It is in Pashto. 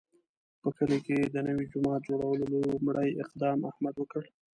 په کلي کې د نوي جومات جوړولو لومړی اقدام احمد وکړ.